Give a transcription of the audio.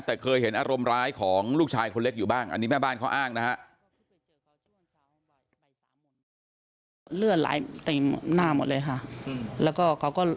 แต่เคยเห็นอารมณ์ร้ายของลูกชายคนเล็กอยู่บ้างอันนี้แม่บ้านเขาอ้างนะฮะ